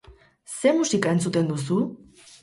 Zer musika entzuten duzu?